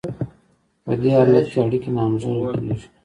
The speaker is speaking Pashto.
په دې حالت کې اړیکې ناهمغږې کیږي.